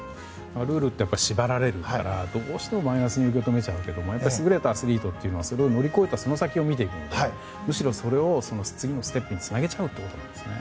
ルールって縛られるからどうしてもマイナスに受け止めちゃうけど優れたアスリートというのはそれを乗り越えたその先を見ていくのでむしろそれを、次のステップにつなげるということなんですね。